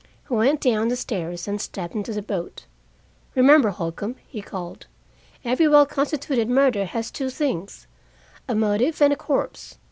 He went down the stairs and stepped into the boat. "Remember, Holcombe," he called, "every well constituted murder has two things: a motive and a corpse.